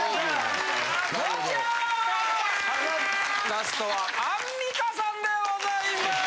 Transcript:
ラストはアンミカさんでございます。